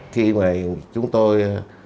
khi mà chúng tôi